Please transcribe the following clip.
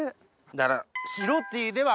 だから。